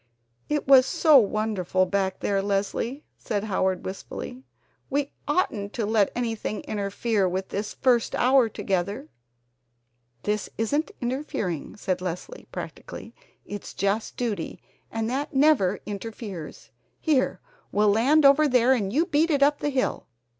"It was so wonderful back there, Leslie," said Howard wistfully. "We oughtn't to let anything interfere with this first hour together." "This isn't interfering," said Leslie practically, "it's just duty, and that never interferes. Here, we'll land over there and you beat it up the hill!